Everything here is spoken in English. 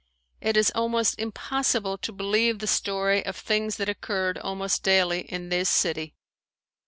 It is almost impossible to believe the story of things that occurred almost daily in this city.